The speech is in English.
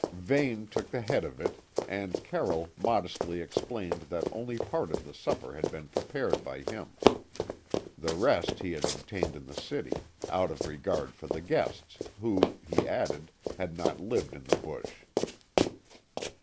Vane took the head of it and Carroll modestly explained that only part of the supper had been prepared by him. The rest he had obtained in the city, out of regard for the guests, who, he added, had not lived in the bush.